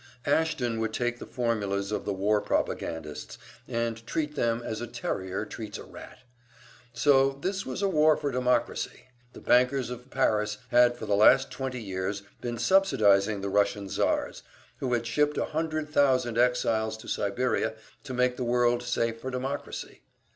Ashton would take the formulas of the war propagandists and treat them as a terrier treats a rat. So this was a war for democracy! The bankers of Paris had for the last twenty years been subsidizing the Russian Tsars, who had shipped a hundred thousand exiles to Siberia to make the world safe for democracy!